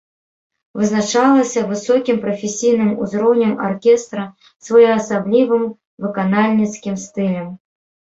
Вызначалася высокім прафесійным узроўнем аркестра, своеасаблівым выканальніцкім стылем.